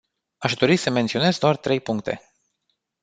Aș dori să menționez doar trei puncte.